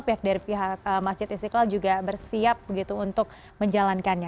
pihak dari pihak masjid istiqlal juga bersiap begitu untuk menjalankannya